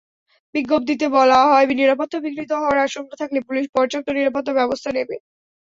বিজ্ঞপ্তিতে বলা হয়, নিরাপত্তা বিঘ্নিত হওয়ার আশঙ্কা থাকলে পুলিশ পর্যাপ্ত নিরাপত্তাব্যবস্থা নেবে।